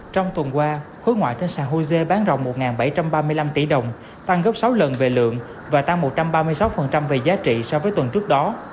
trong tuần qua khối ngoại trên sàn hồ dê bán rộng một bảy trăm ba mươi năm tỷ đồng tăng gấp sáu lần về lượng và tăng một trăm ba mươi sáu về giá trị so với tuần trước đó